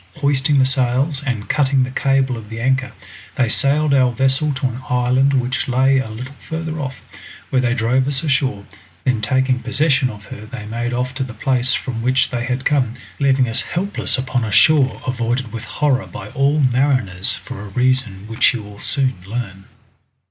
Hoisting the sails, and cutting the cable of the anchor, they sailed our vessel to an island which lay a little further off, where they drove us ashore; then taking possession of her, they made off to the place from which they had come, leaving us helpless upon a shore avoided with horror by all mariners for a reason which you will soon learn.